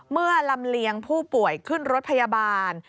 ลำเลียงผู้ป่วยขึ้นรถพยาบาล